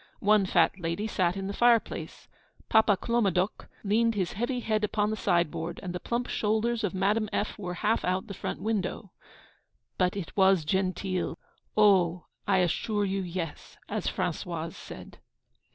One fat lady sat in the fireplace, Papa Clomadoc leaned his heavy head upon the sideboard, and the plump shoulders of Madame F. were half out of the front window. 'But it was genteel. Oh! I assure you, yes,' as Françoise said.